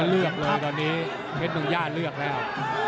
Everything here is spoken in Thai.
เลือกเลยตอนนี้เพชรเมืองย่าเลือกแล้ว